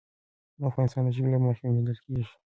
افغانستان د ژبې له مخې پېژندل کېږي.